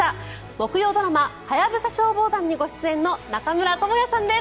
木曜ドラマ「ハヤブサ消防団」にご出演の中村倫也さんです。